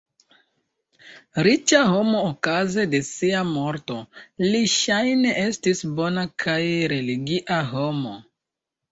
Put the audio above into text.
Riĉa homo okaze de sia morto, li ŝajne estis bona kaj religia homo.